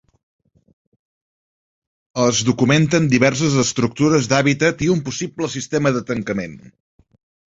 Es documenten diverses estructures d’hàbitat i un possible sistema de tancament.